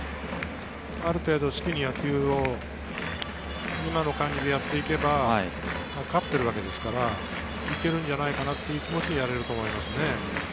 ある程度好きに野球を今の感じでやっていけば、勝っているわけですから、いけるんじゃないかなっていう気持ちでやれると思いますね。